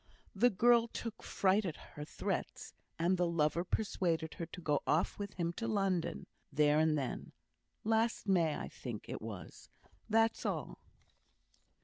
The girl took fright at her threats, and the lover persuaded her to go off with him to London, there and then. Last May, I think it was. That's all."